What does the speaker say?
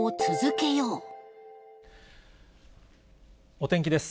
お天気です。